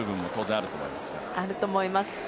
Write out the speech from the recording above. あると思います。